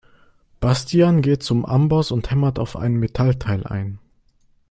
Bastian geht zum Amboss und hämmert auf ein Metallteil ein.